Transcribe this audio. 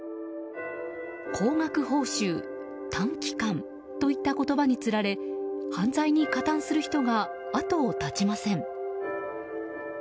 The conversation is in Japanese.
高額報酬、短期間といった言葉につられ犯罪に加担する人が後を絶ちません。